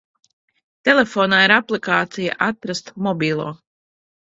Telefonā ir aplikācija "Atrast mobilo".